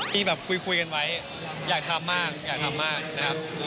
มีแบบคุยกันไว้อยากทำมากอยากทำมากนะครับ